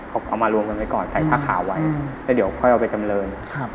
เอามารวมกันไว้ก่อนใส่ผ้าขาวไว้แล้วเดี๋ยวค่อยเอาไปจำเรินครับ